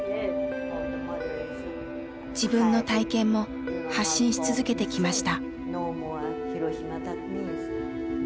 自分の体験も発信し続けてきました。